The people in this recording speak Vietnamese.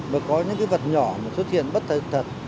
mà có những cái vật nhỏ mà xuất hiện bất thật